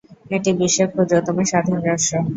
এটি বিশ্বের ক্ষুদ্রতম স্বাধীন রাষ্ট্র।